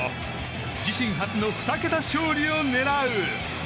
自身初の２桁勝利を狙う！